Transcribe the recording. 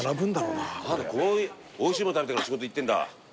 おいしいもの食べてから仕事行ってんだ。